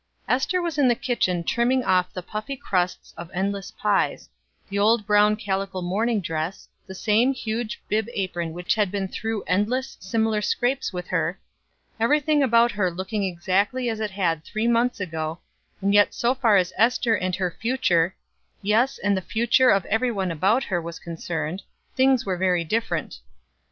Ester was in the kitchen trimming off the puffy crusts of endless pies the old brown calico morning dress, the same huge bib apron which had been through endless similar scrapes with her every thing about her looking exactly as it had three months ago, and yet so far as Ester and her future yes, and the future of every one about her was concerned, things were very different.